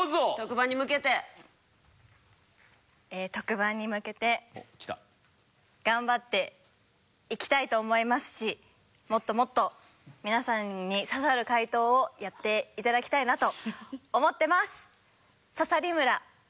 特番に向けて頑張っていきたいと思いますしもっともっと皆さんに刺さる解答をやっていただきたいなと思ってます。